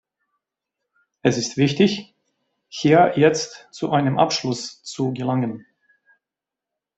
Es ist wichtig, hier jetzt zu einem Abschluss zu gelangen.